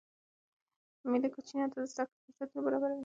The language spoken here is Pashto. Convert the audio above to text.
مېلې کوچنيانو ته د زدهکړي فرصتونه برابروي.